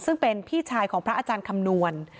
ซึ่งเป็นพี่ชายของพระอาจารย์คำนวณ